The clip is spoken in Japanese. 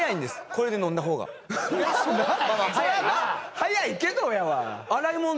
早いけどやわ。